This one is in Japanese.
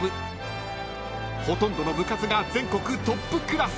［ほとんどの部活が全国トップクラス］